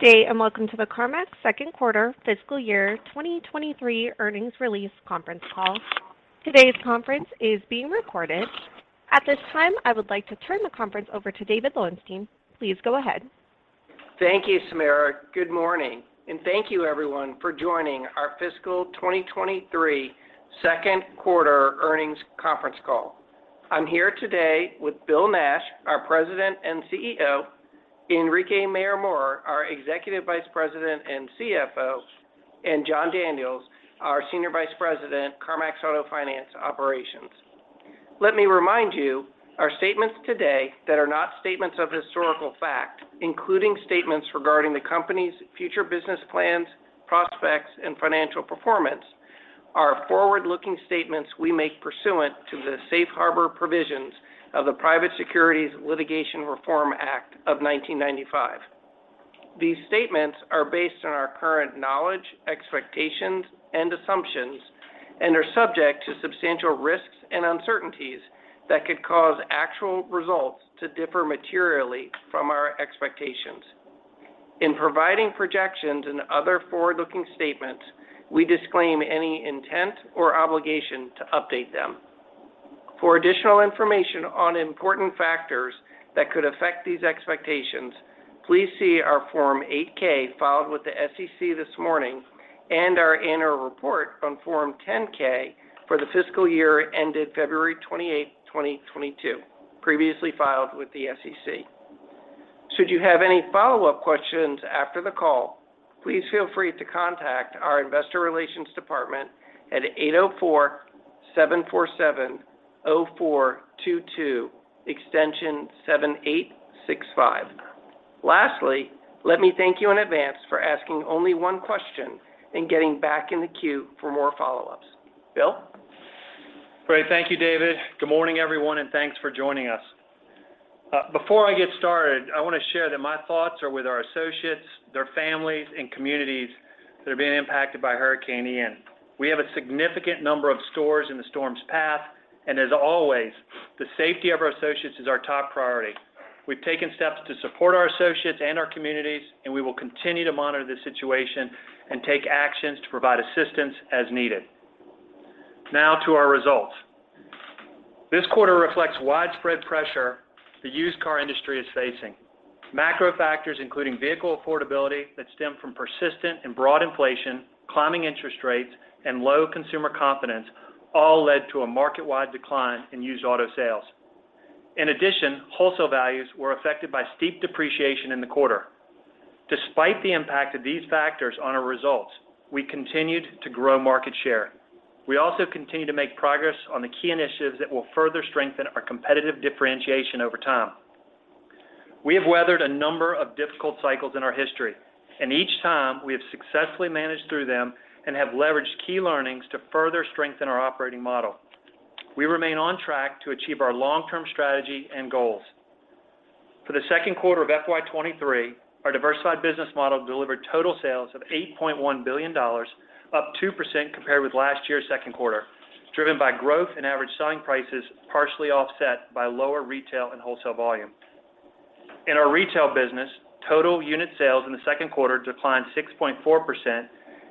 Good day, and welcome to the CarMax Q2 Fiscal Year 2023 Earnings Release Conference Call. Today's conference is being recorded. At this time, I would like to turn the conference over to David Lowenstein. Please go ahead. Thank you, Samara. Good morning, and thank you everyone for joining our Fiscal 2023 Q2 Earnings Conference Call. I'm here today with Bill Nash, our President and CEO, Enrique Mayor-Mora, our Executive Vice President and CFO, and Jon Daniels, our Senior Vice President, CarMax Auto Finance Operations. Let me remind you, our statements today that are not statements of historical fact, including statements regarding the company's future business plans, prospects, and financial performance, are forward-looking statements we make pursuant to the safe harbor provisions of the Private Securities Litigation Reform Act of 1995. These statements are based on our current knowledge, expectations, and assumptions, and are subject to substantial risks and uncertainties that could cause actual results to differ materially from our expectations. In providing projections and other forward-looking statements, we disclaim any intent or obligation to update them. For additional information on important factors that could affect these expectations, please see our Form 8-K filed with the SEC this morning and our annual report on Form 10-K for the fiscal year ended February 28, 2022, previously filed with the SEC. Should you have any follow-up questions after the call, please feel free to contact our investor relations department at 804-747-0422 extension 7865. Lastly, let me thank you in advance for asking only one question and getting back in the queue for more follow-ups. Bill. Great. Thank you, David. Good morning, everyone, and thanks for joining us. Before I get started, I want to share that my thoughts are with our associates, their families and communities that are being impacted by Hurricane Ian. We have a significant number of stores in the storm's path, and as always, the safety of our associates is our top priority. We've taken steps to support our associates and our communities, and we will continue to monitor the situation and take actions to provide assistance as needed. Now to our results. This quarter reflects widespread pressure the used car industry is facing. Macro factors including vehicle affordability that stem from persistent and broad inflation, climbing interest rates, and low consumer confidence all led to a market-wide decline in used auto sales. In addition, wholesale values were affected by steep depreciation in the quarter. Despite the impact of these factors on our results, we continued to grow market share. We also continue to make progress on the key initiatives that will further strengthen our competitive differentiation over time. We have weathered a number of difficult cycles in our history, and each time, we have successfully managed through them and have leveraged key learnings to further strengthen our operating model. We remain on track to achieve our long-term strategy and goals. For the Q2 of FY 2023, our diversified business model delivered total sales of $8.1 billion, up 2% compared with last year's Q2, driven by growth in average selling prices, partially offset by lower retail and wholesale volume. In our retail business, total unit sales in the Q2 declined 6.4%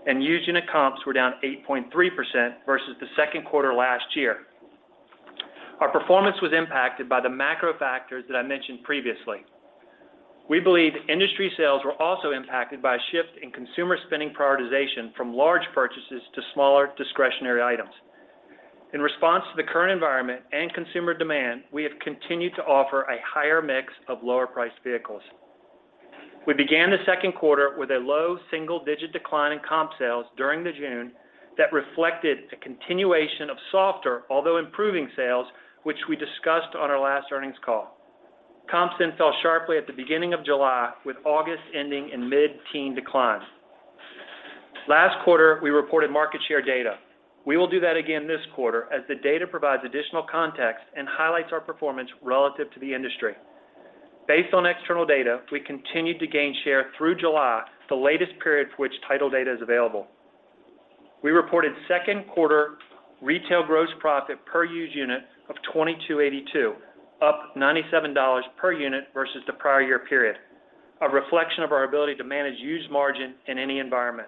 and used unit comps were down 8.3% versus the Q2 last year. Our performance was impacted by the macro factors that I mentioned previously. We believe industry sales were also impacted by a shift in consumer spending prioritization from large purchases to smaller discretionary items. In response to the current environment and consumer demand, we have continued to offer a higher mix of lower-priced vehicles. We began the Q2 with a low single-digit decline in comp sales during June that reflected a continuation of softer, although improving sales, which we discussed on our last earnings call. Comps then fell sharply at the beginning of July, with August ending in mid-teen declines. Last quarter, we reported market share data. We will do that again this quarter as the data provides additional context and highlights our performance relative to the industry. Based on external data, we continued to gain share through July, the latest period for which title data is available. We reported Q2 retail gross profit per used unit of $2,282, up $97 per unit versus the prior year period, a reflection of our ability to manage used margin in any environment.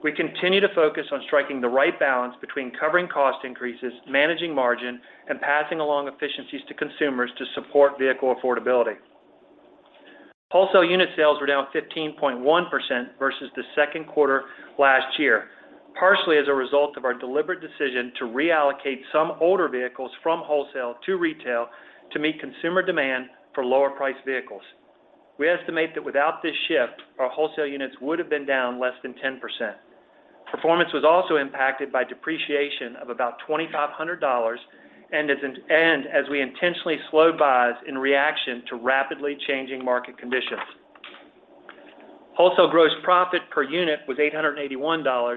We continue to focus on striking the right balance between covering cost increases, managing margin, and passing along efficiencies to consumers to support vehicle affordability. Wholesale unit sales were down 15.1% versus the Q2 last year, partially as a result of our deliberate decision to reallocate some older vehicles from wholesale to retail to meet consumer demand for lower-priced vehicles. We estimate that without this shift, our wholesale units would have been down less than 10%. Performance was also impacted by depreciation of about $2,500 and as we intentionally slowed buys in reaction to rapidly changing market conditions. Wholesale gross profit per unit was $881,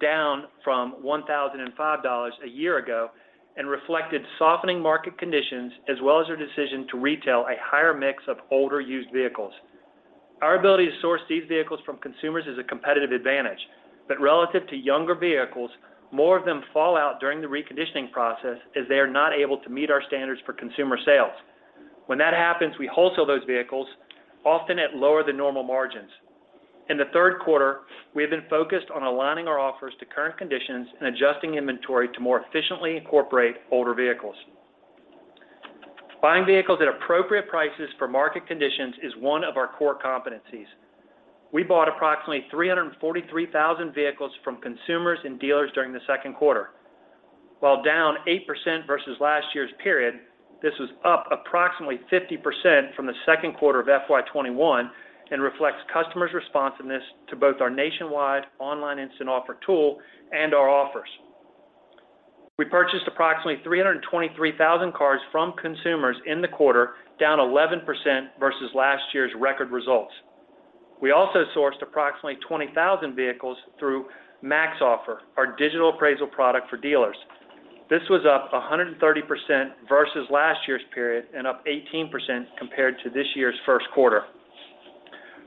down from $1,005 a year ago, and reflected softening market conditions as well as our decision to retail a higher mix of older used vehicles. Our ability to source these vehicles from consumers is a competitive advantage. Relative to younger vehicles, more of them fall out during the reconditioning process as they are not able to meet our standards for consumer sales. When that happens, we wholesale those vehicles often at lower than normal margins. In the Q3, we have been focused on aligning our offers to current conditions and adjusting inventory to more efficiently incorporate older vehicles. Buying vehicles at appropriate prices for market conditions is one of our core competencies. We bought approximately 343,000 vehicles from consumers and dealers during the Q2. While down 8% versus last year's period, this was up approximately 50% from the Q2 of FY 2021 and reflects customers' responsiveness to both our nationwide online instant offer tool and our offers. We purchased approximately 323,000 cars from consumers in the quarter, down 11% versus last year's record results. We also sourced approximately 20,000 vehicles through MaxOffer, our digital appraisal product for dealers. This was up 130% versus last year's period and up 18% compared to this year's Q1.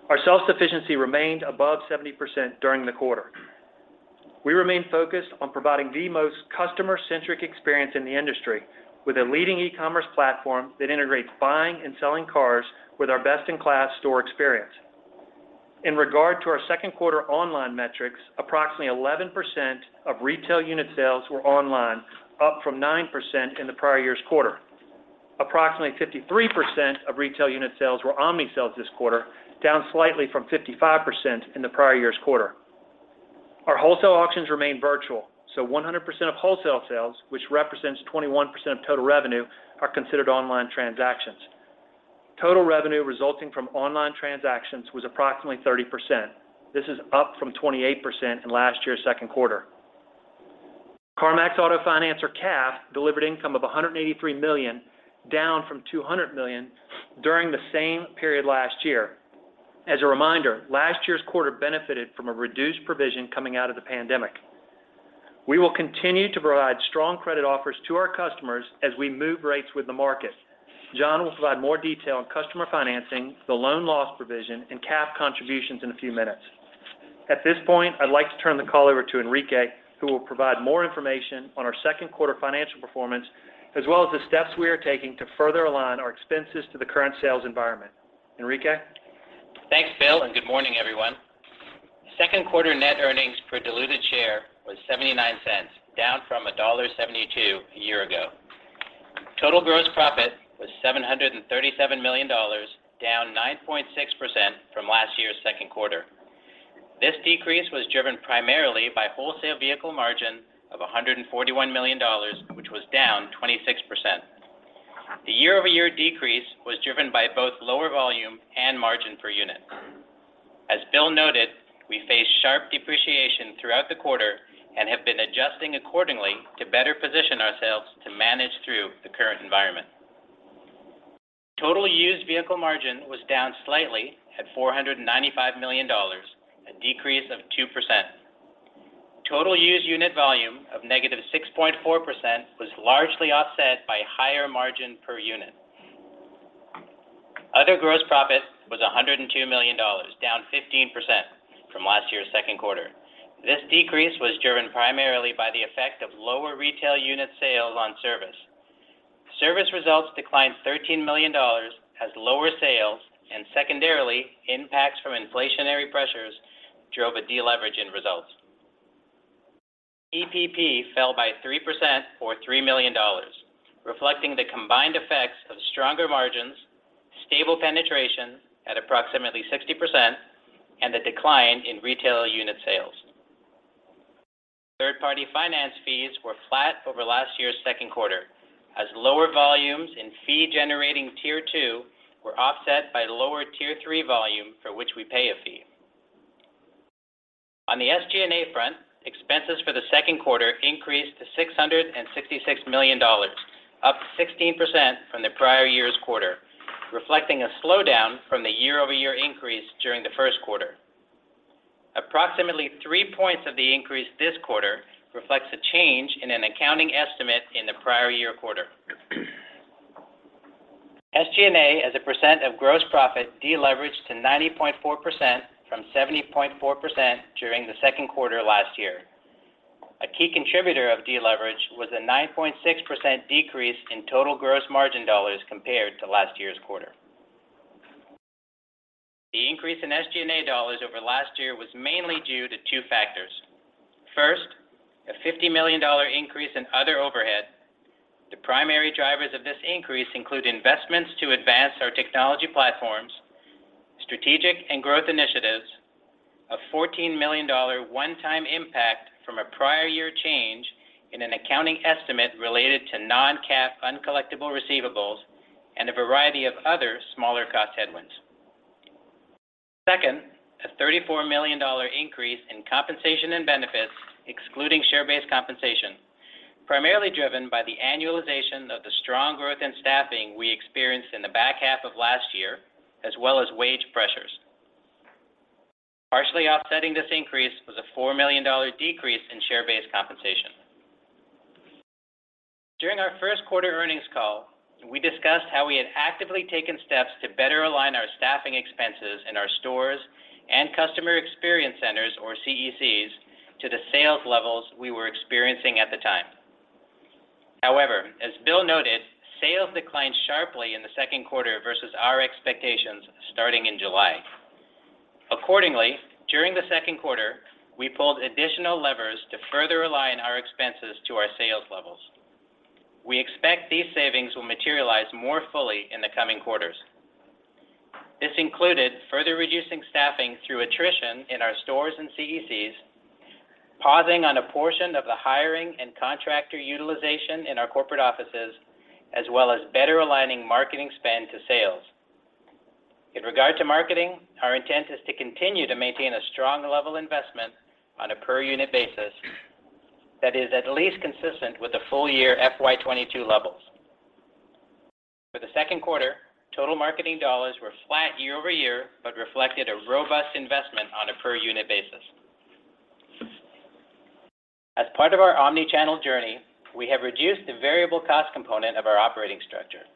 Our self-sufficiency remained above 70% during the quarter. We remain focused on providing the most customer-centric experience in the industry with a leading e-commerce platform that integrates buying and selling cars with our best-in-class store experience. In regard to our Q2 online metrics, approximately 11% of retail unit sales were online, up from 9% in the prior year's quarter. Approximately 53% of retail unit sales were omni sales this quarter, down slightly from 55% in the prior year's quarter. Our wholesale auctions remain virtual, so 100% of wholesale sales, which represents 21% of total revenue, are considered online transactions. Total revenue resulting from online transactions was approximately 30%. This is up from 28% in last year's Q2. CarMax Auto Finance or CAF delivered income of $183 million, down from $200 million during the same period last year. As a reminder, last year's quarter benefited from a reduced provision coming out of the pandemic. We will continue to provide strong credit offers to our customers as we move rates with the market. Jon will provide more detail on customer financing, the loan loss provision, and CAF contributions in a few minutes. At this point, I'd like to turn the call over to Enrique, who will provide more information on our Q2 financial performance, as well as the steps we are taking to further align our expenses to the current sales environment. Enrique? Thanks, Bill, and good morning, everyone. Q2 net earnings per diluted share was $0.79, down from $1.72 a year ago. Total gross profit was $737 million, down 9.6% from last year's Q2. This decrease was driven primarily by wholesale vehicle margin of $141 million, which was down 26%. The year-over-year decrease was driven by both lower volume and margin per unit. As Bill noted, we faced sharp depreciation throughout the quarter and have been adjusting accordingly to better position ourselves to manage through the current environment. Total used vehicle margin was down slightly at $495 million, a decrease of 2%. Total used unit volume of -6.4% was largely offset by higher margin per unit. Other gross profit was $102 million, down 15% from last year's Q2. This decrease was driven primarily by the effect of lower retail unit sales on service. Service results declined $13 million as lower sales and secondarily, impacts from inflationary pressures drove a deleverage in results. EPP fell by 3% or $3 million, reflecting the combined effects of stronger margins, stable penetration at approximately 60%, and the decline in retail unit sales. Third-party finance fees were flat over last year's Q2 as lower volumes in fee-generating Tier 2 were offset by lower Tier 3 volume for which we pay a fee. On the SG&A front, expenses for the Q2 increased to $666 million, up 16% from the prior year's quarter, reflecting a slowdown from the year-over-year increase during the Q1. Approximately three points of the increase this quarter reflects a change in an accounting estimate in the prior year quarter. SG&A, as a percent of gross profit, deleveraged to 90.4% from 70.4% during the Q2 last year. A key contributor of deleverage was a 9.6% decrease in total gross margin dollars compared to last year's quarter. The increase in SG&A dollars over last year was mainly due to two factors. First, a $50 million increase in other overhead. The primary drivers of this increase include investments to advance our technology platforms, strategic and growth initiatives, a $14 million one-time impact from a prior year change in an accounting estimate related to non-CAF uncollectible receivables, and a variety of other smaller cost headwinds. Second, a $34 million increase in compensation and benefits, excluding share-based compensation, primarily driven by the annualization of the strong growth in staffing we experienced in the back half of last year, as well as wage pressures. Partially offsetting this increase was a $4 million decrease in share-based compensation. During our Q1 Earnings Call, we discussed how we had actively taken steps to better align our staffing expenses in our stores and customer experience centers or CECs to the sales levels we were experiencing at the time. However, as Bill Nash noted, sales declined sharply in the Q2 versus our expectations starting in July. Accordingly, during the Q2, we pulled additional levers to further align our expenses to our sales levels. We expect these savings will materialize more fully in the coming quarters. This included further reducing staffing through attrition in our stores and CECs, pausing on a portion of the hiring and contractor utilization in our corporate offices, as well as better aligning marketing spend to sales. In regard to marketing, our intent is to continue to maintain a strong level investment on a per unit basis that is at least consistent with the full year FY 2022 levels. For the Q2, total marketing dollars were flat year-over-year, but reflected a robust investment on a per unit basis. As part of our omni-channel journey, we have reduced the variable cost component of our operating structure.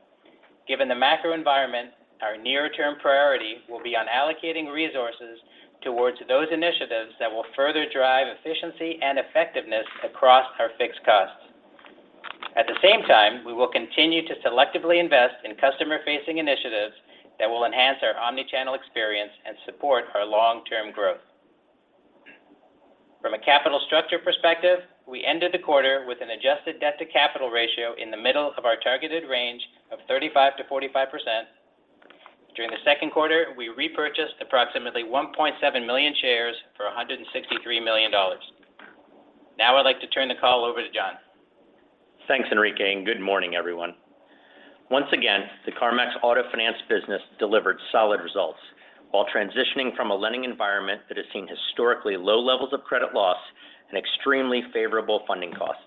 Given the macro environment, our near-term priority will be on allocating resources towards those initiatives that will further drive efficiency and effectiveness across our fixed costs. At the same time, we will continue to selectively invest in customer-facing initiatives that will enhance our omni-channel experience and support our long-term growth. From a capital structure perspective, we ended the quarter with an adjusted debt-to-capital ratio in the middle of our targeted range of 35% to 45%. During the Q2, we repurchased approximately 1.7 million shares for $163 million. Now I'd like to turn the call over to Jon. Thanks, Enrique, and good morning, everyone. Once again, the CarMax Auto Finance business delivered solid results while transitioning from a lending environment that has seen historically low levels of credit loss and extremely favorable funding costs.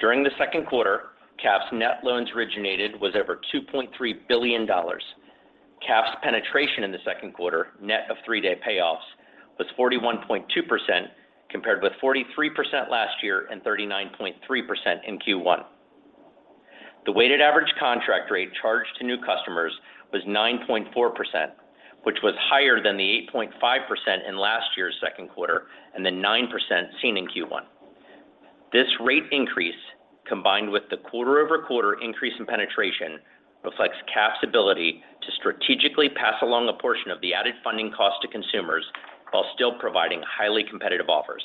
During the Q2, CAF's net loans originated was over $2.3 billion. CAF's penetration in the Q2, net of three-day payoffs, was 41.2% compared with 43% last year and 39.3% in Q1. The weighted average contract rate charged to new customers was 9.4%, which was higher than the 8.5% in last year's Q2 and the 9% seen in Q1. This rate increase, combined with the quarter-over-quarter increase in penetration, reflects CAF's ability to strategically pass along a portion of the added funding cost to consumers while still providing highly competitive offers.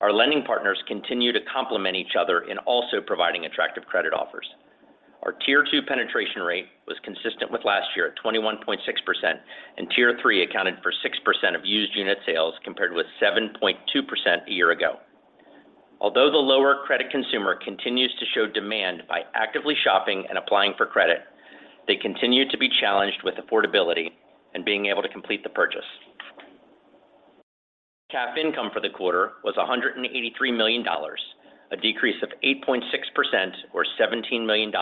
Our lending partners continue to complement each other in also providing attractive credit offers. Our Tier 2 penetration rate was consistent with last year at 21.6%, and Tier 3 accounted for 6% of used unit sales, compared with 7.2% a year ago. Although the lower credit consumer continues to show demand by actively shopping and applying for credit, they continue to be challenged with affordability and being able to complete the purchase. CAF income for the quarter was $183 million, a decrease of 8.6% or $17 million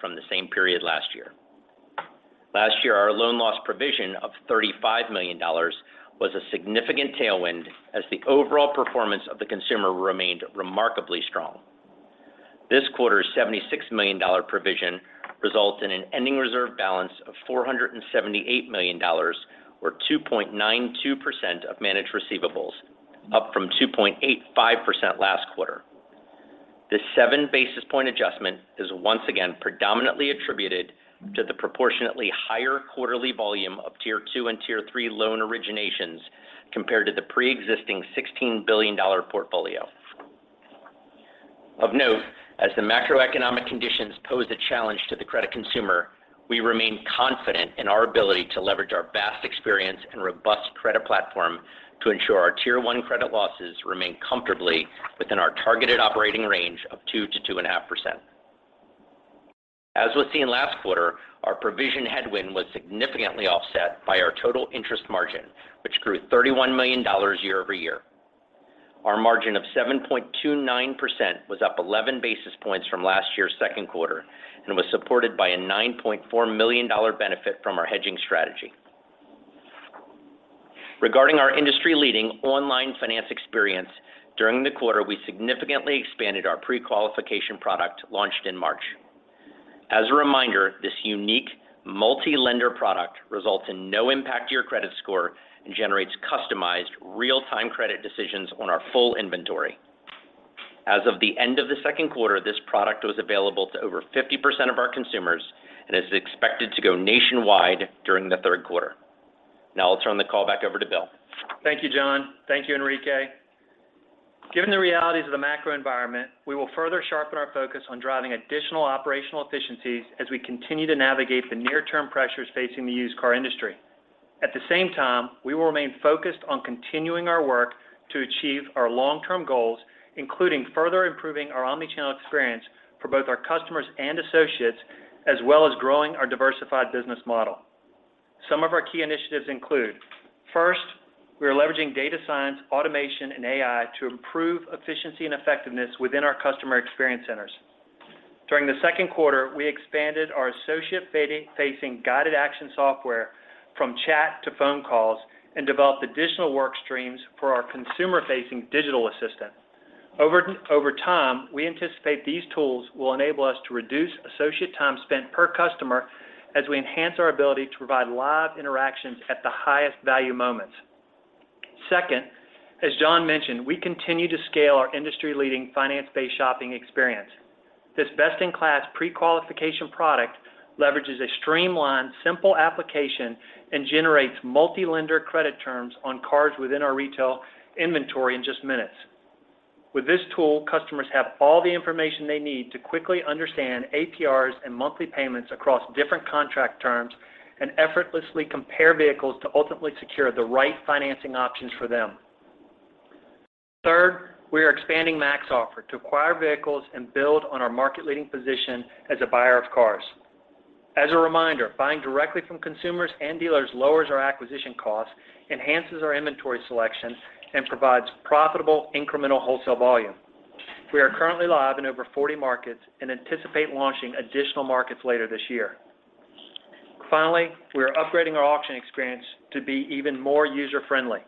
from the same period last year. Last year, our loan loss provision of $35 million was a significant tailwind as the overall performance of the consumer remained remarkably strong. This quarter's $76 million provision results in an ending reserve balance of $478 million or 2.92% of managed receivables, up from 2.85% last quarter. This seven basis points adjustment is once again predominantly attributed to the proportionately higher quarterly volume of Tier 2 and Tier 3 loan originations compared to the pre-existing $16 billion portfolio. Of note, as the macroeconomic conditions pose a challenge to the credit consumer, we remain confident in our ability to leverage our vast experience and robust credit platform to ensure our tier one credit losses remain comfortably within our targeted operating range of 2% to 2.5%. As was seen last quarter, our provision headwind was significantly offset by our total interest margin, which grew $31 million year over year. Our margin of 7.29% was up 11 basis points from last year's Q2 and was supported by a $9.4 million benefit from our hedging strategy. Regarding our industry-leading online finance experience, during the quarter, we significantly expanded our pre-qualification product launched in March. As a reminder, this unique multi-lender product results in no impact to your credit score and generates customized real-time credit decisions on our full inventory. As of the end of the Q2, this product was available to over 50% of our consumers and is expected to go nationwide during the Q3. Now I'll turn the call back over to Bill. Thank you, Jon Daniels. Thank you, Enrique Mayor-Mora. Given the realities of the macro environment, we will further sharpen our focus on driving additional operational efficiencies as we continue to navigate the near-term pressures facing the used car industry. At the same time, we will remain focused on continuing our work to achieve our long-term goals, including further improving our omni-channel experience for both our customers and associates, as well as growing our diversified business model. Some of our key initiatives include, first, we are leveraging data science, automation, and AI to improve efficiency and effectiveness within our customer experience centers. During the Q2, we expanded our associate-facing guided action software from chat to phone calls and developed additional work streams for our consumer-facing digital assistant. Over time, we anticipate these tools will enable us to reduce associate time spent per customer as we enhance our ability to provide live interactions at the highest value moments. Second, as Jon mentioned, we continue to scale our industry-leading finance-based shopping experience. This best-in-class pre-qualification product leverages a streamlined, simple application and generates multi-lender credit terms on cars within our retail inventory in just minutes. With this tool, customers have all the information they need to quickly understand APRs and monthly payments across different contract terms and effortlessly compare vehicles to ultimately secure the right financing options for them. Third, we are expanding MaxOffer to acquire vehicles and build on our market-leading position as a buyer of cars. As a reminder, buying directly from consumers and dealers lowers our acquisition costs, enhances our inventory selection, and provides profitable incremental wholesale volume. We are currently live in over 40 markets and anticipate launching additional markets later this year. Finally, we are upgrading our auction experience to be even more user-friendly.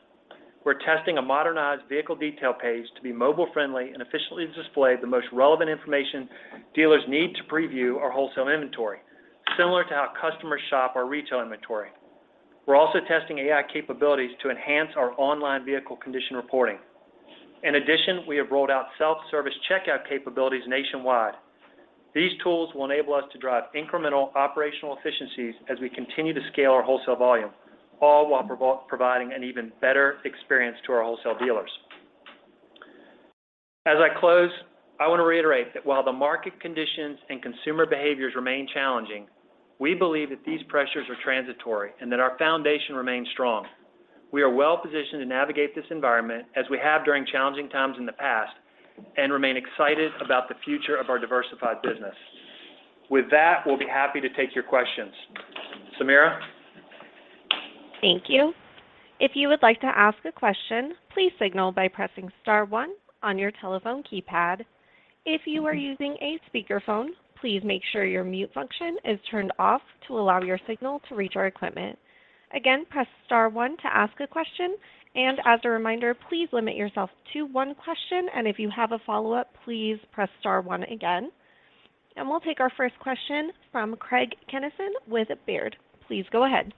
We're testing a modernized vehicle detail page to be mobile-friendly and efficiently display the most relevant information dealers need to preview our wholesale inventory, similar to how customers shop our retail inventory. We're also testing AI capabilities to enhance our online vehicle condition reporting. In addition, we have rolled out self-service checkout capabilities nationwide. These tools will enable us to drive incremental operational efficiencies as we continue to scale our wholesale volume, all while providing an even better experience to our wholesale dealers. As I close, I want to reiterate that while the market conditions and consumer behaviors remain challenging, we believe that these pressures are transitory and that our foundation remains strong. We are well-positioned to navigate this environment as we have during challenging times in the past and remain excited about the future of our diversified business. With that, we'll be happy to take your questions. Samara? Thank you. If you would like to ask a question, please signal by pressing star one on your telephone keypad. If you are using a speakerphone, please make sure your mute function is turned off to allow your signal to reach our equipment. Again, press star one to ask a question, and as a reminder, please limit yourself to one question, and if you have a follow-up, please press star one again. We'll take our first question from Craig Kennison with Baird. Please go ahead.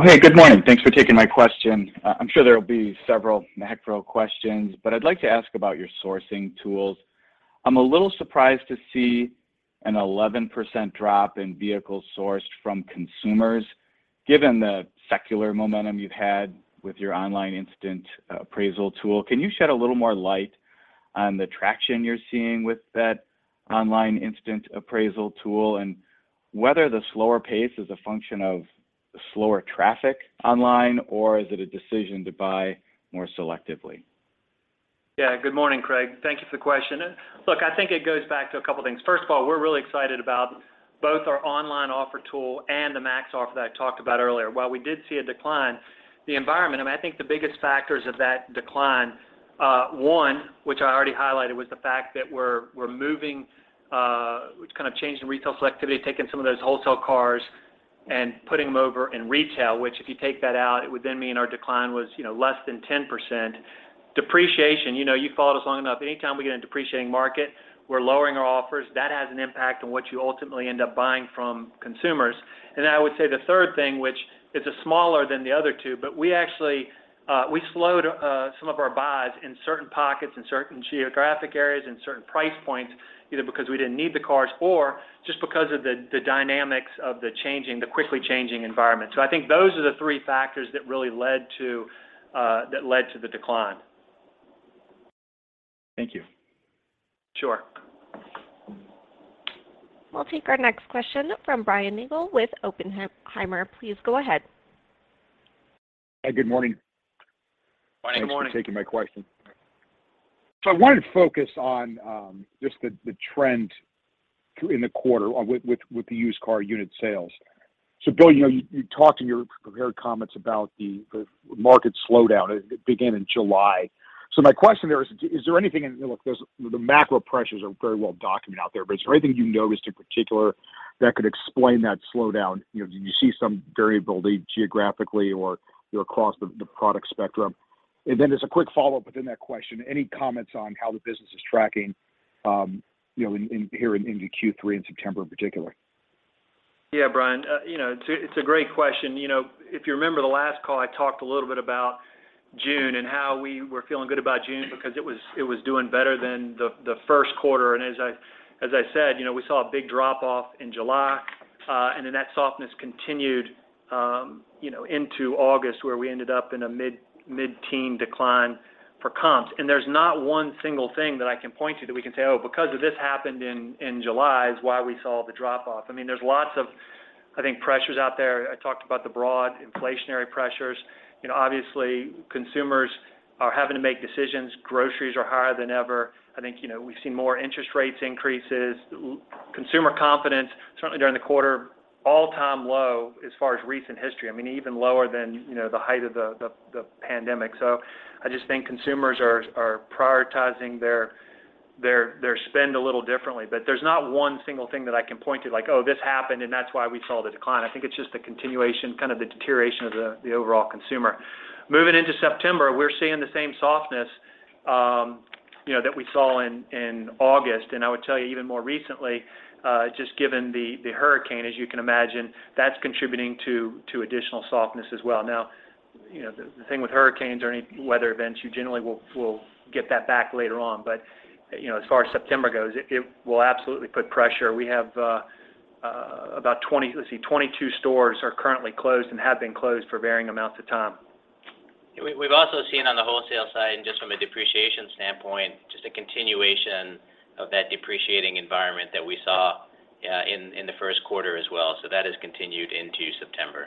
Okay, good morning. Thanks for taking my question. I'm sure there will be several macro questions, but I'd like to ask about your sourcing tools. I'm a little surprised to see an 11% drop in vehicles sourced from consumers, given the secular momentum you've had with your online instant appraisal tool. Can you shed a little more light on the traction you're seeing with that online instant appraisal tool and whether the slower pace is a function of slower traffic online, or is it a decision to buy more selectively? Yeah, good morning, Craig. Thank you for the question. Look, I think it goes back to a couple things. First of all, we're really excited about both our online offer tool and the MaxOffer that I talked about earlier. While we did see a decline, the environment. I mean, I think the biggest factors of that decline, one, which I already highlighted, was the fact that we've kind of changed the retail selectivity, taking some of those wholesale cars and putting them over in retail, which if you take that out, it would then mean our decline was, you know, less than 10%. Depreciation, you know, you followed us long enough. Anytime we get a depreciating market, we're lowering our offers. That has an impact on what you ultimately end up buying from consumers. I would say the third thing, which is a smaller than the other two, but we actually slowed some of our buys in certain pockets, in certain geographic areas, in certain price points, either because we didn't need the cars or just because of the dynamics of the quickly changing environment. I think those are the three factors that really led to the decline. Thank you. Sure. We'll take our next question from Brian Nagel with Oppenheimer. Please go ahead. Hi, good morning. Good morning. Thanks for taking my question. I wanted to focus on just the trend through in the quarter with the used car unit sales. Bill, you know, you talked in your prepared comments about the market slowdown. It began in July. My question there is, the macro pressures are very well documented out there, but is there anything you noticed in particular that could explain that slowdown? You know, did you see some variability geographically or, you know, across the product spectrum? And then there's a quick follow-up within that question. Any comments on how the business is tracking, you know, in here into Q3 in September in particular? Yeah, Brian, you know, it's a great question. You know, if you remember the last call, I talked a little bit about June and how we were feeling good about June because it was doing better than the Q1. As I said, you know, we saw a big drop-off in July and then that softness continued you know into August, where we ended up in a mid-teen decline for comps. There's not one single thing that I can point to that we can say, "Oh, because of this happened in July is why we saw the drop-off." I mean, there's lots of, I think, pressures out there. I talked about the broad inflationary pressures. You know, obviously consumers are having to make decisions. Groceries are higher than ever. I think, you know, we've seen more interest rates increases. Consumer confidence, certainly during the quarter, all-time low as far as recent history. I mean, even lower than, you know, the height of the pandemic. So I just think consumers are prioritizing their spend a little differently. But there's not one single thing that I can point to like, "Oh, this happened, and that's why we saw the decline." I think it's just the continuation, kind of the deterioration of the overall consumer. Moving into September, we're seeing the same softness, you know, that we saw in August. I would tell you even more recently, just given the hurricane, as you can imagine, that's contributing to additional softness as well. Now, you know, the thing with hurricanes or any weather events, you generally will get that back later on. But, you know, as far as September goes, it will absolutely put pressure. We have about 22 stores are currently closed and have been closed for varying amounts of time. We've also seen on the wholesale side, and just from a depreciation standpoint, just a continuation of that depreciating environment that we saw in the Q1 as well. That has continued into September.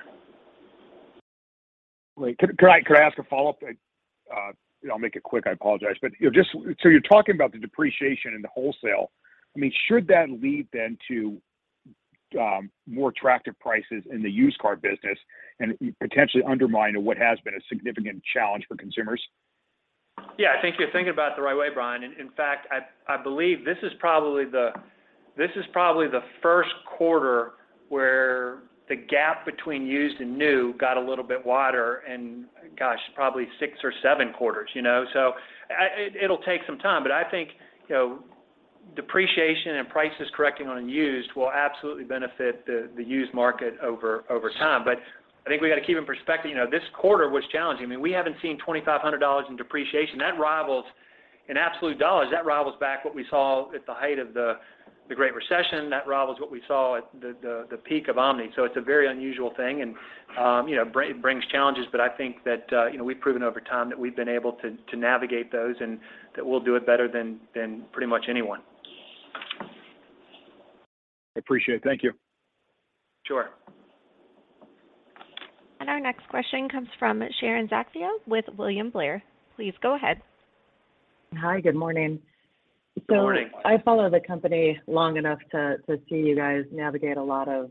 Wait, could I ask a follow-up? You know, I'll make it quick. I apologize. You know, just so you're talking about the depreciation in the wholesale, I mean, should that lead then to more attractive prices in the used car business and potentially undermine what has been a significant challenge for consumers? Yeah, I think you're thinking about it the right way, Brian. In fact, I believe this is probably the Q1 where the gap between used and new got a little bit wider in, gosh, probably six or seven quarters, you know. It'll take some time. I think, you know, depreciation and prices correcting on used will absolutely benefit the used market over time. I think we got to keep in perspective, you know, this quarter was challenging. I mean, we haven't seen $2,500 in depreciation. That rivals, in absolute dollars, that rivals back what we saw at the height of the Great Recession. That rivals what we saw at the peak of omni-channel. It's a very unusual thing and, you know, brings challenges. I think that, you know, we've proven over time that we've been able to navigate those and that we'll do it better than pretty much anyone. I appreciate it. Thank you. Sure. Our next question comes from Sharon Zackfia with William Blair. Please go ahead. Hi, good morning. Good morning. I follow the company long enough to see you guys navigate a lot of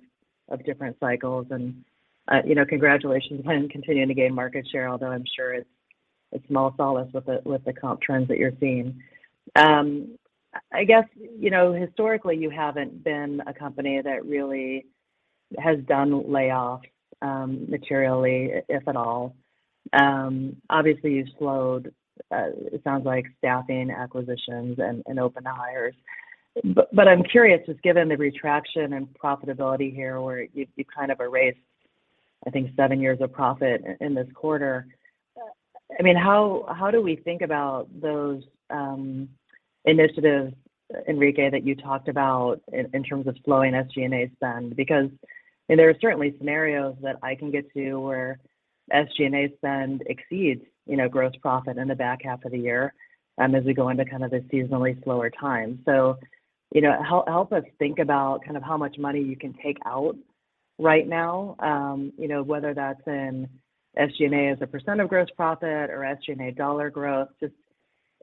different cycles. You know, congratulations on continuing to gain market share, although I'm sure it's small solace with the comp trends that you're seeing. I guess, you know, historically, you haven't been a company that really has done layoffs materially, if at all. Obviously, you slowed, it sounds like, staffing, acquisitions, and open hires. I'm curious, just given the contraction in profitability here, where you've kind of erased, I think, seven years of profit in this quarter. I mean, how do we think about those initiatives, Enrique, that you talked about in terms of slowing SG&A spend? Because, you know, there are certainly scenarios that I can get to where SG&A spend exceeds, you know, gross profit in the back half of the year, as we go into kind of the seasonally slower time. You know, help us think about kind of how much money you can take out right now, you know, whether that's in SG&A as a percent of gross profit or SG&A dollar growth, just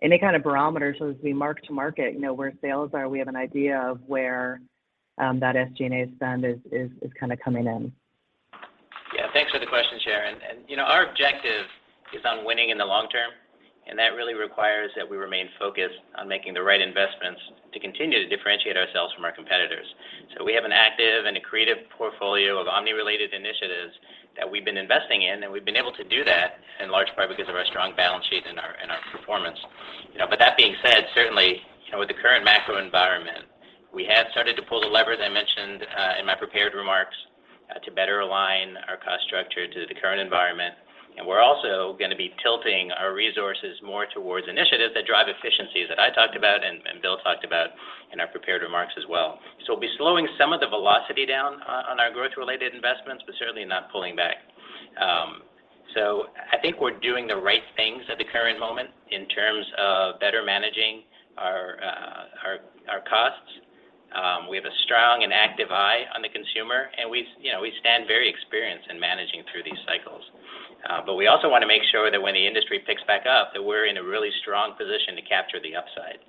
any kind of barometer so as we mark to market, you know, where sales are, we have an idea of where that SG&A spend is kind of coming in. Yeah. Thanks for the question, Sharon. You know, our objective is on winning in the long term, and that really requires that we remain focused on making the right investments to continue to differentiate ourselves from our competitors. We have an active and a creative portfolio of omni-channel-related initiatives that we've been investing in, and we've been able to do that in large part because of our strong balance sheet and our performance. You know, but that being said, certainly, you know, with the current macro environment, we have started to pull the levers I mentioned in my prepared remarks to better align our cost structure to the current environment. We're also gonna be tilting our resources more towards initiatives that drive efficiencies that I talked about and Bill talked about in our prepared remarks as well. We'll be slowing some of the velocity down on our growth-related investments, but certainly not pulling back. I think we're doing the right things at the current moment in terms of better managing our costs. We have a strong and active eye on the consumer, and we, you know, we're very experienced in managing through these cycles. But we also wanna make sure that when the industry picks back up, that we're in a really strong position to capture the upside.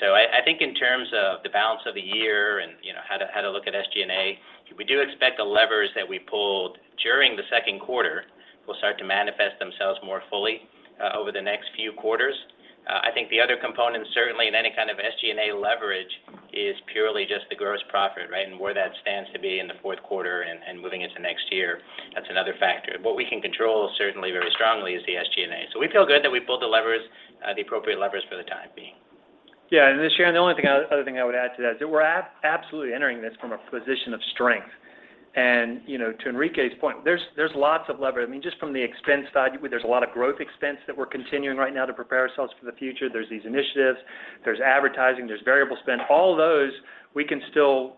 I think in terms of the balance of the year and, you know, how to look at SG&A, we do expect the levers that we pulled during the Q2 will start to manifest themselves more fully over the next few quarters. I think the other component, certainly in any kind of SG&A leverage is purely just the gross profit, right? Where that stands to be in the Q4 and moving into next year, that's another factor. What we can control certainly very strongly is the SG&A. We feel good that we pulled the appropriate levers for the time being. Yeah. Sharon Zackfia, the only other thing I would add to that is we're absolutely entering this from a position of strength. You know, to Enrique Mayor-Mora's point, there's lots of leverage. I mean, just from the expense side, there's a lot of growth expense that we're continuing right now to prepare ourselves for the future. There's these initiatives, there's advertising, there's variable spend. All those we can still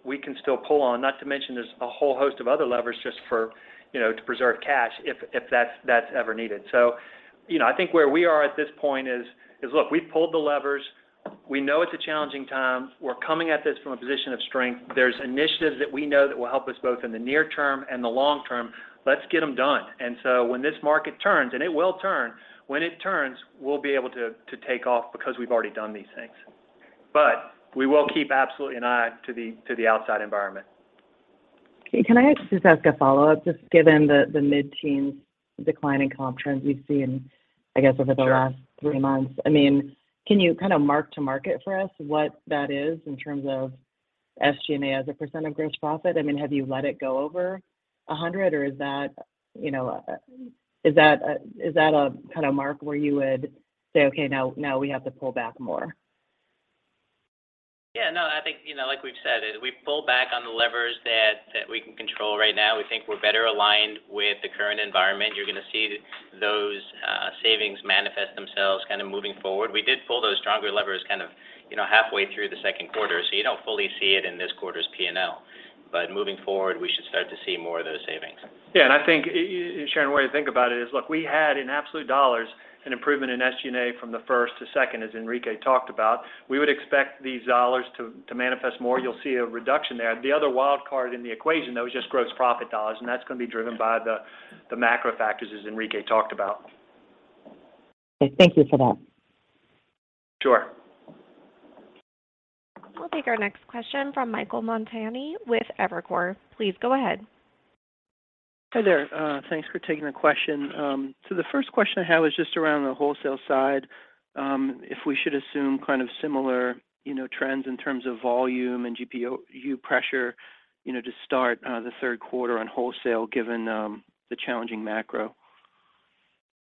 pull on. Not to mention there's a whole host of other levers just for, you know, to preserve cash if that's ever needed. You know, I think where we are at this point is look, we've pulled the levers. We know it's a challenging time. We're coming at this from a position of strength. There's initiatives that we know that will help us both in the near term and the long term. Let's get them done. When this market turns, and it will turn, when it turns, we'll be able to take off because we've already done these things. We will keep absolutely an eye to the outside environment. Can I just ask a follow-up, just given the mid-teens% decline in comp trends we've seen, I guess? Over the last three months. I mean, can you kind of mark to market for us what that is in terms of SG&A as a percent of gross profit? I mean, have you let it go over 100, or is that, you know, is that a kind of mark where you would say, "Okay, now we have to pull back more? Yeah, no, I think, you know, like we've said, as we've pulled back on the levers that we can control right now. We think we're better aligned with the current environment. You're gonna see those savings manifest themselves kind of moving forward. We did pull those stronger levers kind of, you know, halfway through the Q2, so you don't fully see it in this quarter's P&L. Moving forward, we should start to see more of those savings. Yeah, I think, Sharon, the way to think about it is, look, we had in absolute dollars an improvement in SG&A from the first to second, as Enrique talked about. We would expect these dollars to manifest more. You'll see a reduction there. The other wild card in the equation, though, is just gross profit dollars, and that's gonna be driven by the macro factors, as Enrique talked about. Okay, thank you for that. Sure. We'll take our next question from Michael Montani with Evercore. Please go ahead. Hi there. Thanks for taking the question. The first question I have is just around the wholesale side, if we should assume kind of similar, you know, trends in terms of volume and GPU pressure, you know, to start the Q3 on wholesale, given the challenging macro.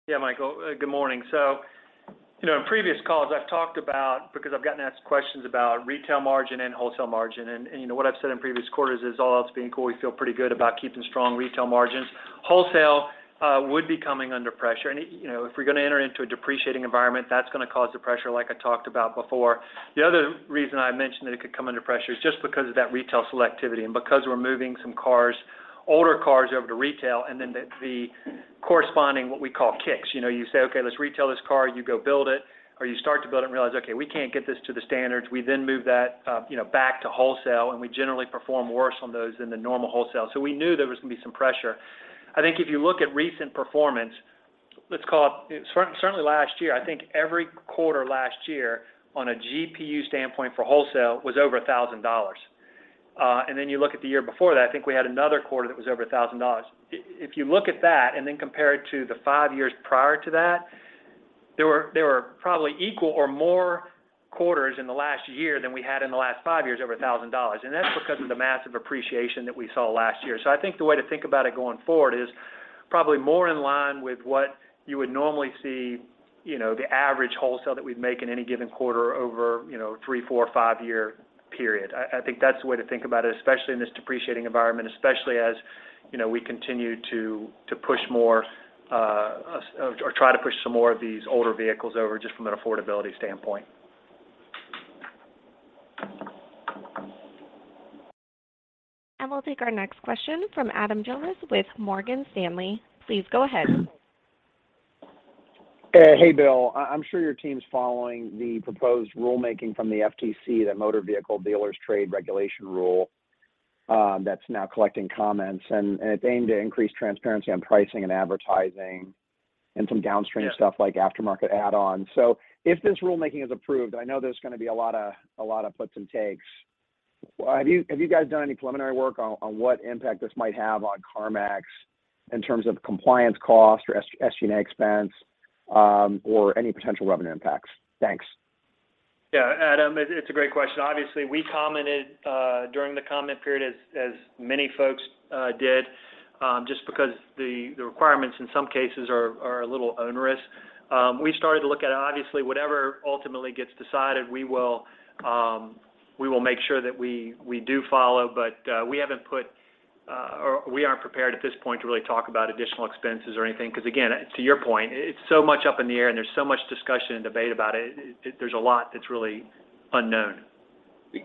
Yeah, Michael. Good morning. You know, in previous calls I've talked about, because I've gotten asked questions about retail margin and wholesale margin, and you know, what I've said in previous quarters is all else being equal, we feel pretty good about keeping strong retail margins. Wholesale would be coming under pressure, and it you know, if we're gonna enter into a depreciating environment, that's gonna cause the pressure, like I talked about before. The other reason I mentioned that it could come under pressure is just because of that retail selectivity and because we're moving some cars, older cars over to retail, and then the corresponding, what we call kicks. You know, you say, "Okay, let's retail this car." You go build it or you start to build it and realize, okay, we can't get this to the standards. We move that, you know, back to wholesale, and we generally perform worse on those in the normal wholesale. We knew there was gonna be some pressure. I think if you look at recent performance, let's call it certainly last year, I think every quarter last year on a GPU standpoint for wholesale was over $1,000. And then you look at the year before that, I think we had another quarter that was over $1,000. If you look at that and then compare it to the five years prior to that, there were probably equal or more quarters in the last year than we had in the last five years over $1,000, and that's because of the massive appreciation that we saw last year. I think the way to think about it going forward is probably more in line with what you would normally see, you know, the average wholesale that we'd make in any given quarter over, you know, three, four, five-year period. I think that's the way to think about it, especially in this depreciating environment, especially as, you know, we continue to push more or try to push some more of these older vehicles over just from an affordability standpoint. We'll take our next question from Adam Jonas with Morgan Stanley. Please go ahead. Hey, Bill. I'm sure your team's following the proposed rulemaking from the FTC, that motor vehicle dealers trade regulation rule, that's now collecting comments, and it's aimed to increase transparency on pricing and advertising and some downstream. Yeah Stuff like aftermarket add-ons, if this rulemaking is approved, I know there's gonna be a lot of puts and takes. Have you guys done any preliminary work on what impact this might have on CarMax in terms of compliance costs or SG&A expense, or any potential revenue impacts? Thanks. Yeah. Adam, it's a great question. Obviously, we commented during the comment period as many folks did, just because the requirements in some cases are a little onerous. We started to look at it. Obviously, whatever ultimately gets decided, we will make sure that we do follow. We haven't put, or we aren't prepared at this point to really talk about additional expenses or anything, because again, to your point, it's so much up in the air and there's so much discussion and debate about it, there's a lot that's really unknown.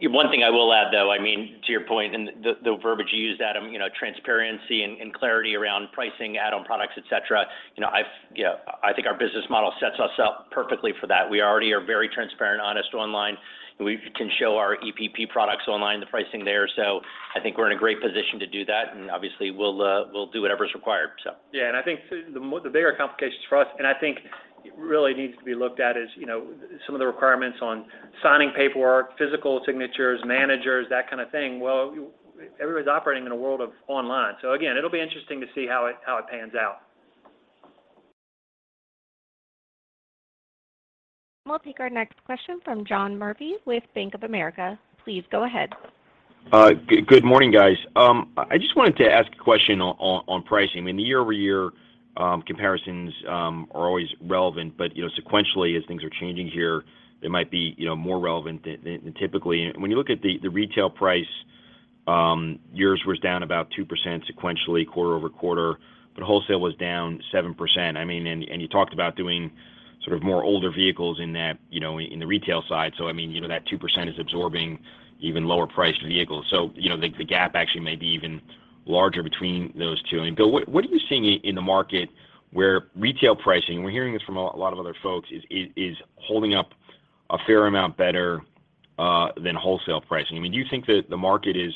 One thing I will add, though, I mean, to your point and the verbiage you used, Adam, you know, transparency and clarity around pricing, add-on products, et cetera, you know, I think our business model sets us up perfectly for that. We already are very transparent, honest online. We can show our EPP products online, the pricing there. So I think we're in a great position to do that, and obviously we'll do whatever is required, so. I think the bigger complications for us, and I think really needs to be looked at is, you know, some of the requirements on signing paperwork, physical signatures, managers, that kind of thing. Well, everybody's operating in a world of online. Again, it'll be interesting to see how it pans out. We'll take our next question from John Murphy with Bank of America. Please go ahead. Good morning, guys. I just wanted to ask a question on pricing. I mean, the year-over-year comparisons are always relevant, but you know, sequentially as things are changing here, they might be you know, more relevant than typically. When you look at the retail price, yours was down about 2% sequentially quarter-over-quarter, but wholesale was down 7%. I mean, and you talked about doing sort of more older vehicles in that you know, in the retail side. So I mean, you know, that 2% is absorbing even lower priced vehicles. So you know, the gap actually may be even larger between those two. I mean, Bill, what are you seeing in the market where retail pricing, we're hearing this from a lot of other folks, is holding up a fair amount better than wholesale pricing? I mean, do you think that the market is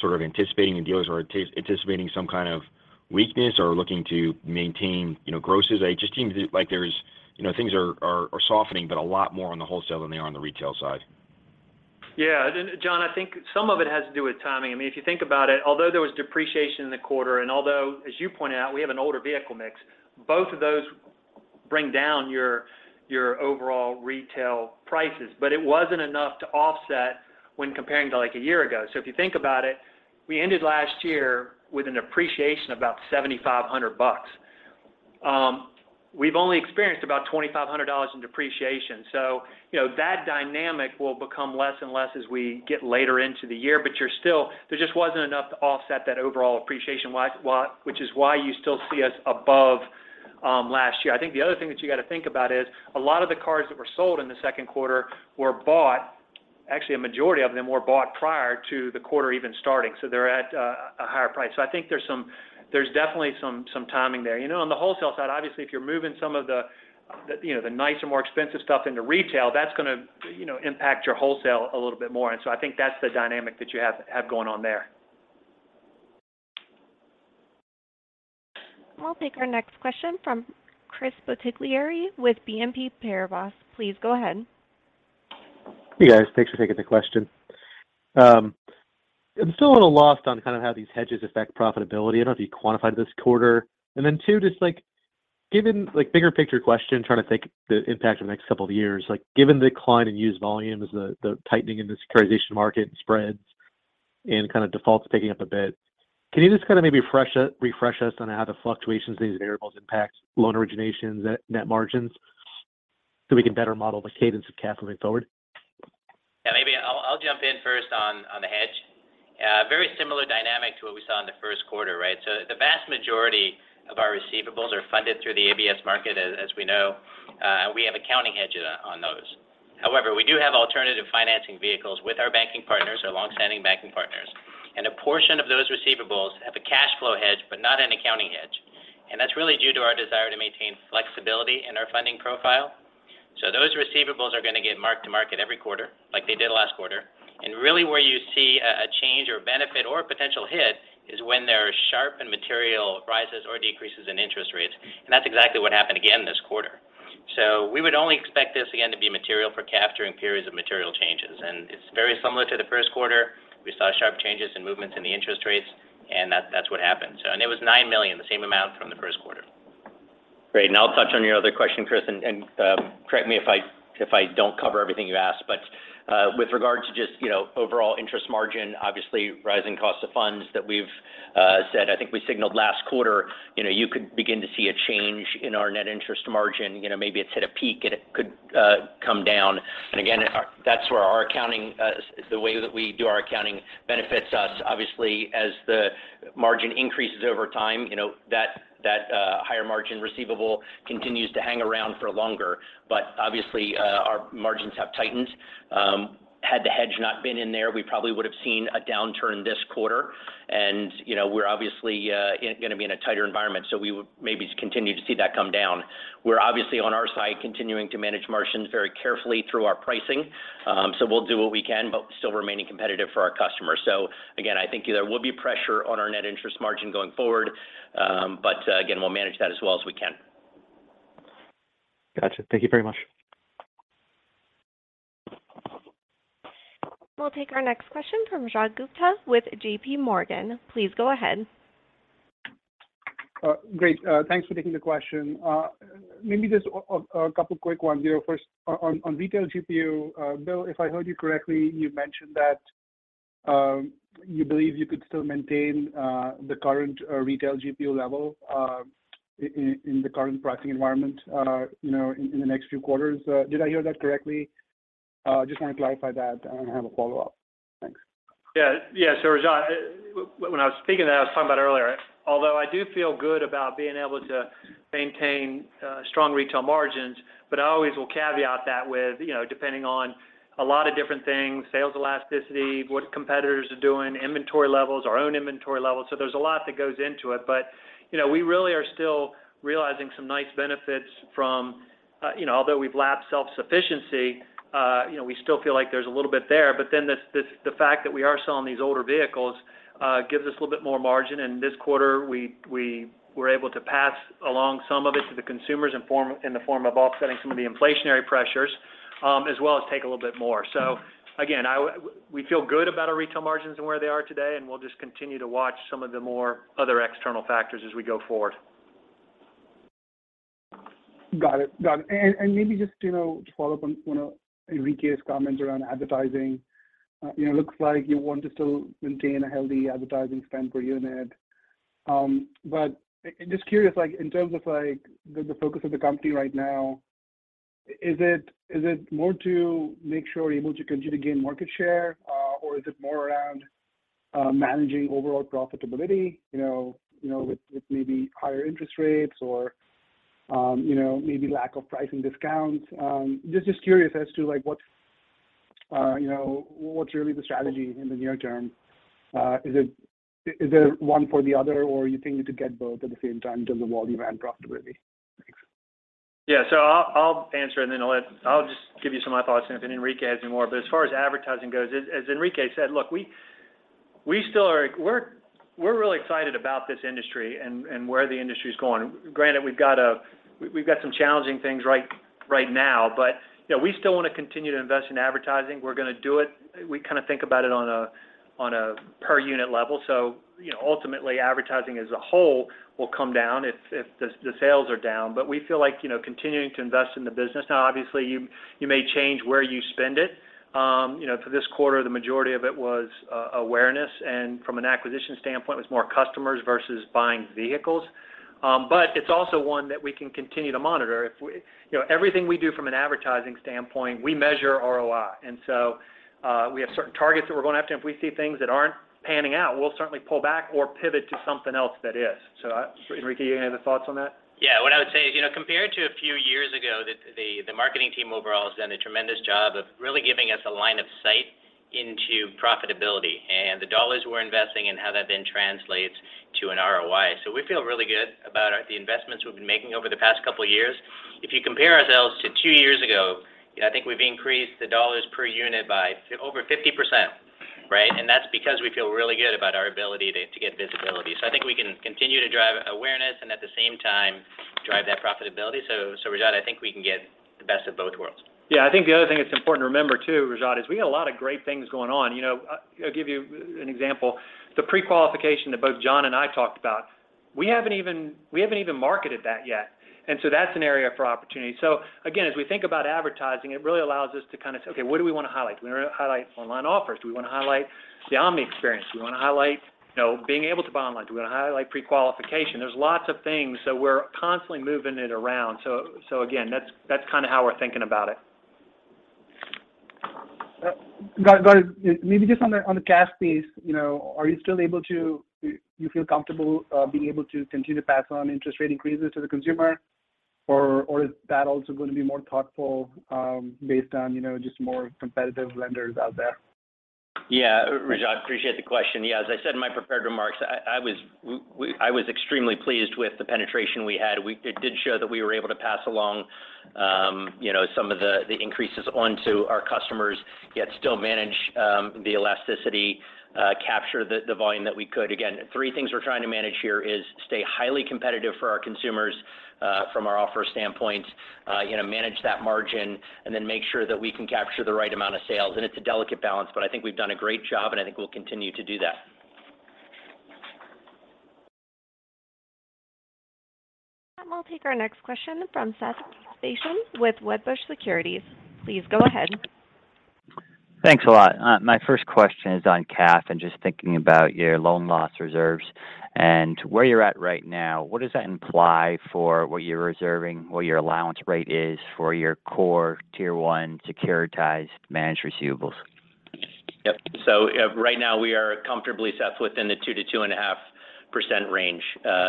sort of anticipating and dealers are anticipating some kind of weakness or looking to maintain, you know, grosses? It just seems like there's, you know, things are softening, but a lot more on the wholesale than they are on the retail side. Yeah. John, I think some of it has to do with timing. I mean, if you think about it, although there was depreciation in the quarter, and although, as you pointed out, we have an older vehicle mix, both of those bring down your overall retail prices. It wasn't enough to offset when comparing to, like, a year ago. If you think about it, we ended last year with an appreciation of about $7,500 bucks. We've only experienced about $2,500 in depreciation. You know, that dynamic will become less and less as we get later into the year. There just wasn't enough to offset that overall appreciation which is why you still see us above last year. I think the other thing that you got to think about is a lot of the cars that were sold in the Q2 were bought, actually a majority of them were bought prior to the quarter even starting, so they're at a higher price. I think there's definitely some timing there. You know, on the wholesale side, obviously, if you're moving some of the you know, the nicer, more expensive stuff into retail, that's gonna, you know, impact your wholesale a little bit more. I think that's the dynamic that you have going on there. We'll take our next question from Chris Bottiglieri with BNP Paribas. Please go ahead. Hey, guys. Thanks for taking the question. I'm still a little lost on kind of how these hedges affect profitability. I don't know if you quantified this quarter. Then two, just like, given, like, bigger picture question, trying to think the impact of the next couple of years. Like, given the decline in used volume as the tightening in the securitization market and spreads and kind of defaults picking up a bit, can you just kind of maybe refresh us on how the fluctuations of these variables impacts loan originations at net margins so we can better model the cadence of cash moving forward? Yeah, maybe I'll jump in first on the hedge. Very similar dynamic to what we saw in the Q1, right? The vast majority of our receivables are funded through the ABS market as we know, and we have accounting hedges on those. However, we do have alternative financing vehicles with our banking partners, our long-standing banking partners. A portion of those receivables have a cash flow hedge, but not an accounting hedge. That's really due to our desire to maintain flexibility in our funding profile. Those receivables are gonna get marked to market every quarter like they did last quarter. Really where you see a change or benefit or a potential hit is when there are sharp and material rises or decreases in interest rates. That's exactly what happened again this quarter. We would only expect this again to be material for CAF during periods of material changes. It's very similar to the Q1. We saw sharp changes in movements in the interest rates, and that's what happened. It was $9 million, the same amount from the Q1. Great. I'll touch on your other question, Chris, correct me if I don't cover everything you ask. With regard to just, you know, overall interest margin, obviously rising cost of funds that we've said, I think we signaled last quarter, you know, you could begin to see a change in our net interest margin. You know, maybe it's hit a peak and it could come down. Again, that's where our accounting, the way that we do our accounting benefits us. Obviously, as the margin increases over time, you know, that higher margin receivable continues to hang around for longer. Obviously, our margins have tightened. Had the hedge not been in there, we probably would have seen a downturn this quarter. You know, we're obviously gonna be in a tighter environment, so we would maybe continue to see that come down. We're obviously on our side continuing to manage margins very carefully through our pricing. We'll do what we can but still remaining competitive for our customers. Again, I think there will be pressure on our net interest margin going forward. Again, we'll manage that as well as we can. Gotcha. Thank you very much. We'll take our next question from Rajat Gupta with JP Morgan. Please go ahead. Great. Thanks for taking the question. Maybe just a couple quick ones. You know, first on retail GPU, Bill, if I heard you correctly, you mentioned that you believe you could still maintain the current retail GPU level in the current pricing environment, you know, in the next few quarters. Did I hear that correctly? Just want to clarify that, and I have a follow-up. Thanks. Yeah. Yeah. Raj, when I was speaking to that, I was talking about it earlier. Although I do feel good about being able to maintain strong retail margins, but I always will caveat that with, you know, depending on a lot of different things, sales elasticity, what competitors are doing, inventory levels, our own inventory levels. There's a lot that goes into it. You know, we really are still realizing some nice benefits from, you know, although we've lapped self-sufficiency, you know, we still feel like there's a little bit there. Then the fact that we are selling these older vehicles gives us a little bit more margin. This quarter, we were able to pass along some of it to the consumers in the form of offsetting some of the inflationary pressures, as well as take a little bit more. Again, we feel good about our retail margins and where they are today, and we'll just continue to watch some of the more other external factors as we go forward. Got it. Maybe just, you know, to follow up on Enrique Mayor-Mora’s comment around advertising, you know, looks like you want to still maintain a healthy advertising spend per unit. But just curious, like, in terms of, like, the focus of the company right now, is it more to make sure you're able to continue to gain market share, or is it more around managing overall profitability, you know, with maybe higher interest rates or, you know, maybe lack of pricing discounts? Just curious as to, like, what, you know, what's really the strategy in the near term? Is it one for the other, or you think you could get both at the same time, doing the volume and profitability? Thanks. I'll answer and then I'll just give you some of my thoughts, and if Enrique has any more. As far as advertising goes, as Enrique said, look, we're really excited about this industry and where the industry is going. Granted, we've got some challenging things right now, you know, we still want to continue to invest in advertising. We're gonna do it. We think about it on a per unit level. You know, ultimately, advertising as a whole will come down if the sales are down. We feel like, you know, continuing to invest in the business. Now, obviously, you may change where you spend it. You know, for this quarter, the majority of it was awareness, and from an acquisition standpoint, it was more customers versus buying vehicles. But it's also one that we can continue to monitor. You know, everything we do from an advertising standpoint, we measure ROI. We have certain targets that we're going after. If we see things that aren't panning out, we'll certainly pull back or pivot to something else that is. Enrique, you have any thoughts on that? Yeah. What I would say is, you know, compared to a few years ago, the marketing team overall has done a tremendous job of really giving us a line of sight into profitability and the dollars we're investing and how that then translates to an ROI. We feel really good about the investments we've been making over the past couple of years. If you compare ourselves to two years ago, you know, I think we've increased the dollars per unit by over 50%, right? That's because we feel really good about our ability to get visibility. I think we can continue to drive awareness and at the same time drive that profitability. Rajat, I think we can get the best of both worlds. Yeah. I think the other thing that's important to remember, too, Rajat, is we got a lot of great things going on. You know, I'll give you an example. The pre-qualification that both Jon and I talked about, we haven't even marketed that yet. That's an area for opportunity. Again, as we think about advertising, it really allows us to kind of say, "Okay, what do we wanna highlight? Do we wanna highlight online offers? Do we wanna highlight the omni-channel experience? Do we wanna highlight, you know, being able to buy online? Do we wanna highlight pre-qualification?" There's lots of things, so we're constantly moving it around. Again, that's how we're thinking about it. Guys, maybe just on the cash piece, you know, do you feel comfortable being able to continue to pass on interest rate increases to the consumer? Or is that also gonna be more thoughtful based on, you know, just more competitive lenders out there? Yeah. Rajat, appreciate the question. Yeah. As I said in my prepared remarks, I was extremely pleased with the penetration we had. It did show that we were able to pass along, you know, some of the increases onto our customers, yet still manage the elasticity, capture the volume that we could. Again, three things we're trying to manage here is stay highly competitive for our consumers, from our offer standpoint, you know, manage that margin, and then make sure that we can capture the right amount of sales. It's a delicate balance, but I think we've done a great job, and I think we'll continue to do that. We'll take our next question from Seth Basham with Wedbush Securities. Please go ahead. Thanks a lot. My first question is on CAF and just thinking about your loan loss reserves and where you're at right now. What does that imply for what you're reserving, what your allowance rate is for your core Tier 1 securitized managed receivables? Yep. Right now we are comfortably, Seth, within the 2% to 2.5% range.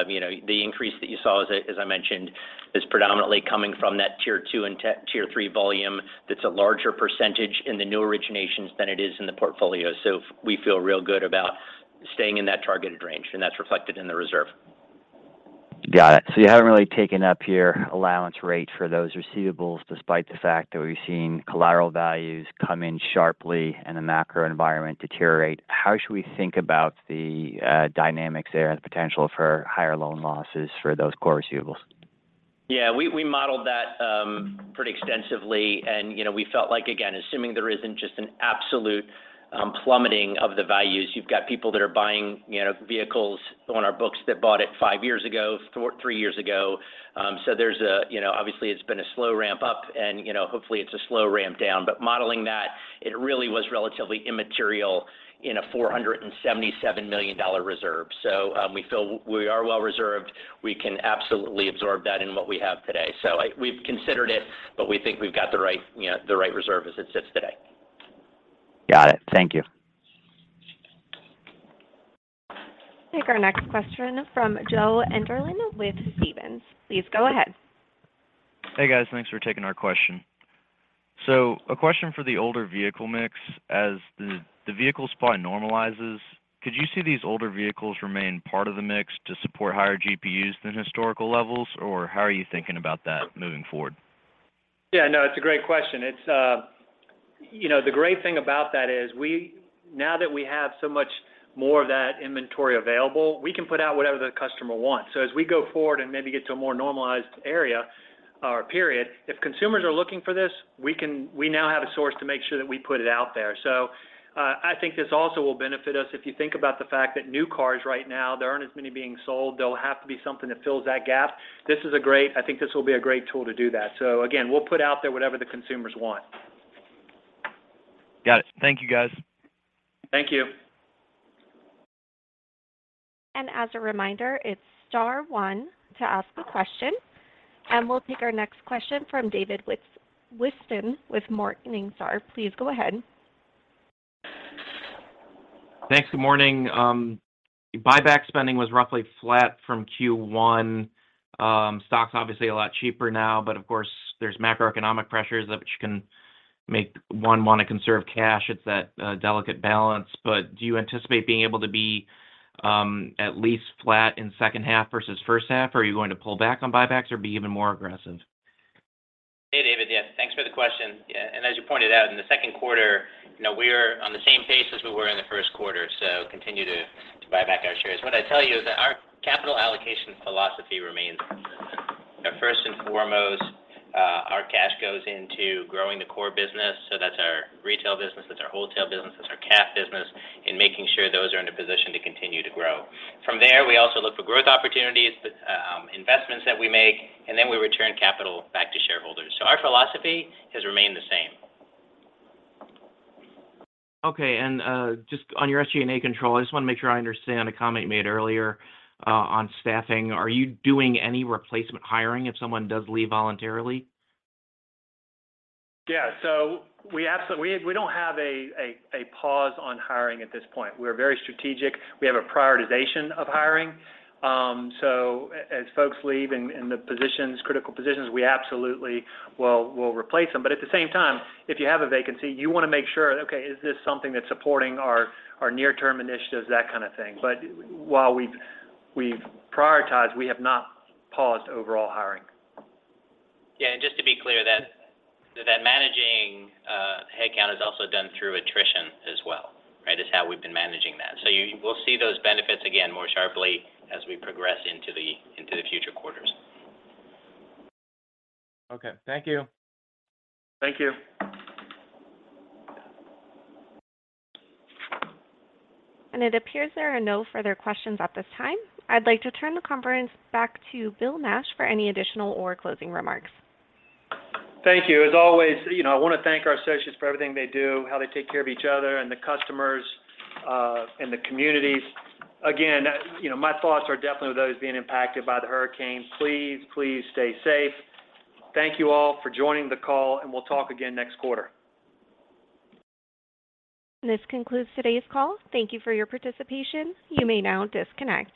You know, the increase that you saw, as I mentioned, is predominantly coming from that Tier 2 and Tier 3 volume that's a larger percentage in the new originations than it is in the portfolio. We feel real good about staying in that targeted range, and that's reflected in the reserve. Got it. You haven't really taken up your allowance rate for those receivables despite the fact that we've seen collateral values come in sharply and the macro environment deteriorate. How should we think about the dynamics there and the potential for higher loan losses for those core receivables? Yeah. We modeled that pretty extensively and, you know, we felt like, again, assuming there isn't just an absolute plummeting of the values, you've got people that are buying, you know, vehicles on our books that bought it five years ago, three years ago. You know, obviously it's been a slow ramp-up and, you know, hopefully it's a slow ramp down. But modeling that, it really was relatively immaterial in a $477 million reserve. So, we feel we are well reserved. We can absolutely absorb that in what we have today. So we've considered it, but we think we've got the right, you know, the right reserve as it sits today. Got it. Thank you. Take our next question from Joe Enderlin with Stephens. Please go ahead. Hey, guys. Thanks for taking our question. A question for the older vehicle mix. As the vehicle supply normalizes, could you see these older vehicles remain part of the mix to support higher GPUs than historical levels? Or how are you thinking about that moving forward? Yeah, it's a great question. It's, you know, the great thing about that is we now have so much more of that inventory available, we can put out whatever the customer wants. As we go forward and maybe get to a more normalized area or period, if consumers are looking for this, we now have a source to make sure that we put it out there. I think this also will benefit us. If you think about the fact that new cars right now, there aren't as many being sold. There'll have to be something that fills that gap. This is a great. I think this will be a great tool to do that. Again, we'll put out there whatever the consumers want. Got it. Thank you, guys. Thank you. As a reminder, it's star one to ask a question. We'll take our next question from David Whiston with Morningstar. Please go ahead. Thanks. Good morning. Buyback spending was roughly flat from Q1. Stock's obviously a lot cheaper now, but of course, there's macroeconomic pressures which can make one want to conserve cash. It's that delicate balance. Do you anticipate being able to be at least flat in H2 versus H1? Are you going to pull back on buybacks or be even more aggressive? Hey, David. Yeah, thanks for the question. Yeah, and as you pointed out, in the Q2, you know, we're on the same pace as we were in the Q1, so continue to buy back our shares. What I tell you is that our capital allocation philosophy remains the same. First and foremost, our cash goes into growing the core business, so that's our retail business, that's our wholesale business, that's our CAF business, and making sure those are in a position to continue to grow. From there, we also look for growth opportunities, but investments that we make, and then we return capital back to shareholders. Our philosophy has remained the same. Okay. Just on your SG&A control, I just wanna make sure I understand a comment you made earlier, on staffing. Are you doing any replacement hiring if someone does leave voluntarily? Yeah. We absolutely don't have a pause on hiring at this point. We're very strategic. We have a prioritization of hiring. As folks leave in critical positions, we absolutely will replace them. At the same time, if you have a vacancy, you wanna make sure, okay, is this something that's supporting our near-term initiatives, that kind of thing. While we've prioritized, we have not paused overall hiring. Yeah. Just to be clear, that managing headcount is also done through attrition as well, right? That's how we've been managing that. We'll see those benefits again more sharply as we progress into the future quarters. Okay. Thank you. Thank you. It appears there are no further questions at this time. I'd like to turn the conference back to Bill Nash for any additional or closing remarks. Thank you. As always, you know, I wanna thank our associates for everything they do, how they take care of each other and the customers, and the communities. Again, you know, my thoughts are definitely with those being impacted by the hurricane. Please, please stay safe. Thank you all for joining the call, and we'll talk again next quarter. This concludes today's call. Thank you for your participation. You may now disconnect.